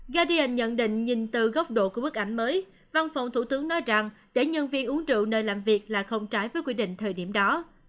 gadian nhận định nhìn từ góc độ của bức ảnh mới văn phòng thủ tướng nói rằng để nhân viên uống rượu nơi làm việc là không trái với quy định thời điểm đó